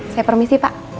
saya permisi pak